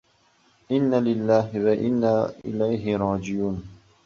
Inna lillahi va inna ilayhi roji’un!